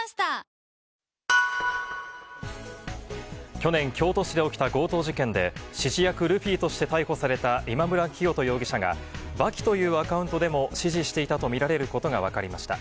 去年京都市で起きた強盗事件で指示役ルフィとして逮捕された今村磨人容疑者が刃牙というアカウントでも指示していたとみられることが分かりました。